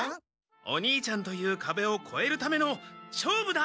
お兄ちゃんというかべをこえるための「勝負だ！」